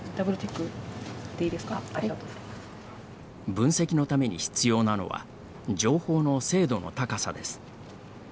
分析のために必要なのは情報の精度の高さです。